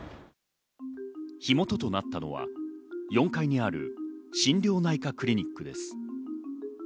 火元となったのは４階にある心療内科クリニックです。